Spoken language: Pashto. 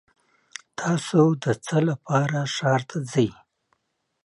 تاسو د څه لپاره ښار ته ځئ؟